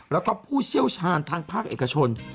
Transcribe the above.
แล้วก็ผู้เชี่ยวชาญทางภาคเอกชน